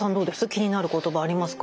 気になる言葉ありますか？